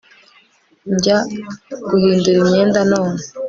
njya guhindura imyenda none